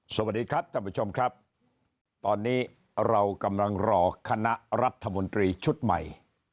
สวัสดีครับท่านผู้ชมครับตอนนี้เรากำลังรอคณะรัฐมนตรีชุดใหม่